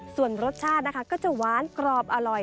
ส่วนรสชาตินะคะก็จะหวานกรอบอร่อย